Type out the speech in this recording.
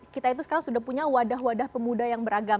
kita itu sekarang sudah punya wadah wadah pemuda yang beragam